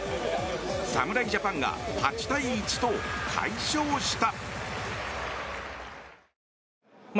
侍ジャパンが８対１と快勝した。